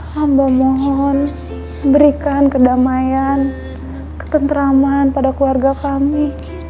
hamba mohon berikan kedamaian ketentraman pada keluarga kami